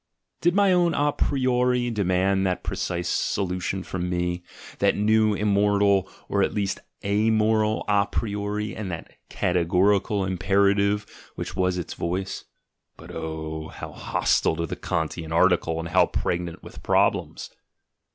Did my own "a priori" demand that precise solution from me? that new, immoral, or at least amoral" "d priori" and that "categorical imperative" which was its voice (but, oh! how hostile to the Kan tian article, and how pregnant with problems!)